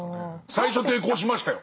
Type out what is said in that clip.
最初抵抗しましたよ。